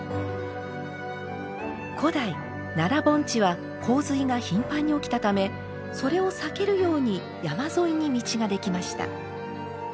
古代奈良盆地は洪水が頻繁に起きたためそれを避けるように山沿いに道ができました。